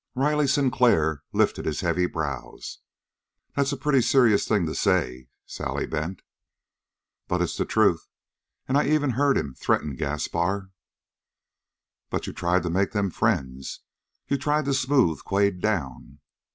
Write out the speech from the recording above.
Riley Sinclair lifted his heavy brows. "That's a pretty serious thing to say, Sally Bent." "But, it's the truth! And I've even heard him threaten Gaspar!" "But you tried to make them friends? You tried to smooth Quade down?"